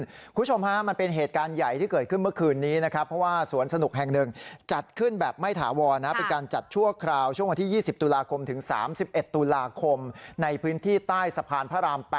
คุณผู้ชมฮะมันเป็นเหตุการณ์ใหญ่ที่เกิดขึ้นเมื่อคืนนี้นะครับเพราะว่าสวนสนุกแห่ง๑จัดขึ้นแบบไม่ถาวรเป็นการจัดชั่วคราวช่วงวันที่๒๐ตุลาคมถึง๓๑ตุลาคมในพื้นที่ใต้สะพานพระราม๘